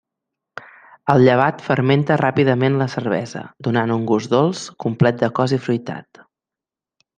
El llevat fermenta ràpidament la cervesa, donant un gust dolç, complet de cos i fruitat.